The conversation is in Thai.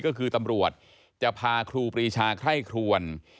ก็คือตำรวจจะพาครูปรีชาไคร่ครวน